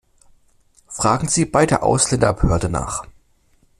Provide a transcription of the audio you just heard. Fragen Sie bei der Ausländerbehörde nach!